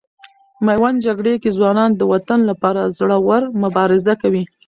میوند جګړې کې ځوانان د وطن لپاره زړه ور مبارزه کوي.